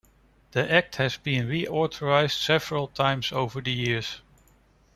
The act has been reauthorized several times over the years.